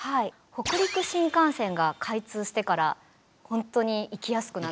北陸新幹線が開通してからほんとに行きやすくなって。